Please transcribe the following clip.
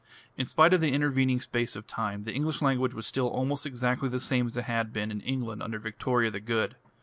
In spite of the intervening space of time, the English language was still almost exactly the same as it had been in England under Victoria the Good.